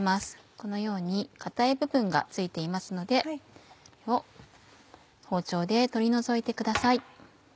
このように硬い部分が付いていますので包丁で取り除いてください。